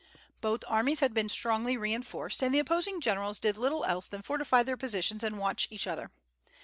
Both armies had been strongly reinforced, and the opposing generals did little else than fortify their positions and watch each other.